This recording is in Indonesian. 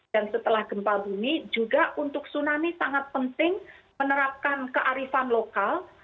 dan setelah gempa bumi juga untuk tsunami sangat penting menerapkan kearifan lokal